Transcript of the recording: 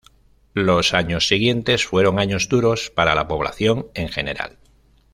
Los años siguientes, fueron años duros para la población en general.